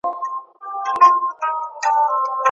نوي ځوانان په منطقي ډول پوښتنې مطرح کوي.